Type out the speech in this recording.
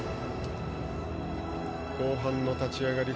後半の立ち上がり